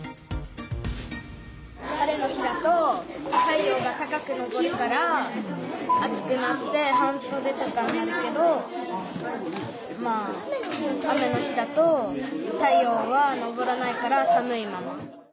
晴れの日だと太陽が高くのぼるから暑くなって半そでとかになるけどまあ雨の日だと太陽はのぼらないから寒いまま。